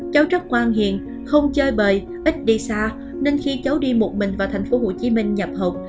cháu rất quan hiền không chơi bời ít đi xa nên khi cháu đi một mình vào thành phố hồ chí minh nhập học